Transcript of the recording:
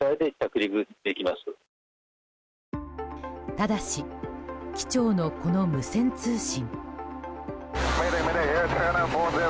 ただし、機長のこの無線通信。